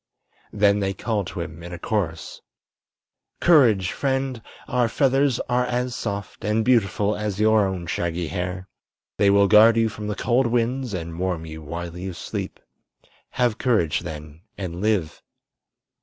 Then they called to him in a chorus: "Courage, friend! Our feathers are as soft and beautiful as your own shaggy hair. They will guard you from the cold winds and warm you while you sleep. Have courage, then, and live!"